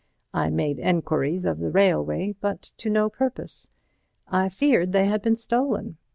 I made enquiries of the railway, but to no purpose. I feared they had been stolen.